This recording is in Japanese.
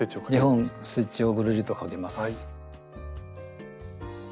２本ステッチをぐるりとかけます。